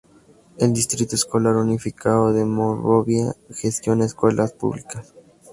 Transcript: El Distrito Escolar Unificado de Monrovia gestiona escuelas públicas.